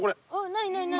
何何何？